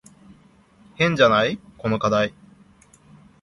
変じゃない？この課題。